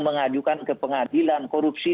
mengajukan ke pengadilan korupsi